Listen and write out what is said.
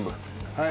はい。